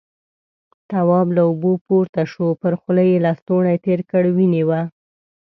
تواب له اوبو پورته شو، پر خوله يې لستوڼی تېر کړ، وينې وه.